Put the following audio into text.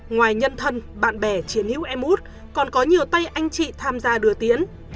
ngoài nhân thân bạn bè chiến hữu em út còn có nhiều tay anh chị tham gia đưa tiến